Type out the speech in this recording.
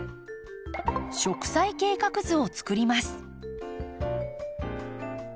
植栽計画図をつくります。